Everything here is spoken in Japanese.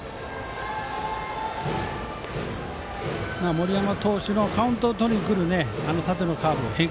森山投手のカウントを取りに来る縦のカーブ